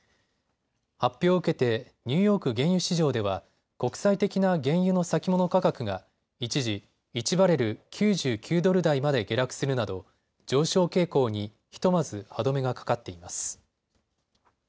発表を受けてニューヨーク原油市場では国際的な原油の先物価格が一時、１バレル９９ドル台まで下落するなど上昇傾向にひとまず歯止めがかかっています。